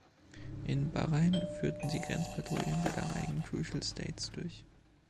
In Bahrain führten sie Grenzpatrouillen der damaligen Trucial States durch.